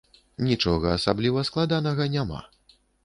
Нічога асабліва складанага няма.